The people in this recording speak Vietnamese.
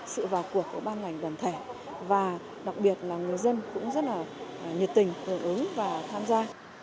sự vào cuộc của ban ngành đoàn thể và đặc biệt là người dân cũng rất là nhiệt tình hưởng ứng và tham gia